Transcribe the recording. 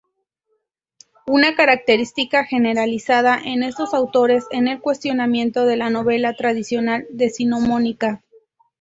Una característica generalizada en estos autores es el cuestionamiento de la novela tradicional decimonónica.